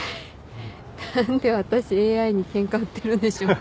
何で私ＡＩにケンカ売ってるんでしょうね。